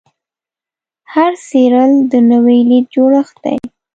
هر څیرل د نوې لید جوړښت دی.